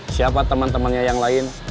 siapa temen temennya yang lain